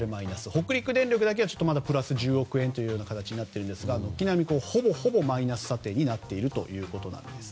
北陸電力だけはまだプラス１０億円となっていますが軒並みほぼほぼマイナス査定になっていると。